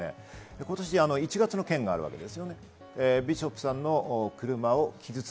今年１月の件があるわけです。